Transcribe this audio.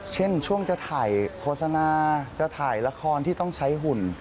เช่นช่วงจะถ่ายโฆษณาจะถ่ายละครที่ต้องใช้หุ่น